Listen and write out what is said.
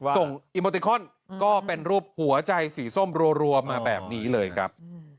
อีโมติคอนก็เป็นรูปหัวใจสีส้มรัวมาแบบนี้เลยครับ